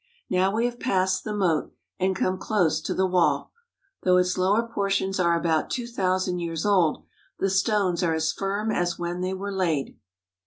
Now we have passed the moat and come close to the wall. Though its lower portions are about two thousand years old, the stones are as firm as when they were laid.